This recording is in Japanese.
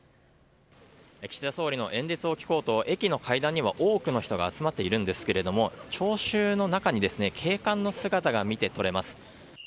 岸田総理の演説を聞こうと駅の階段には多くの人が集まっているんですけれども聴衆の中に警官の姿が見て取れます。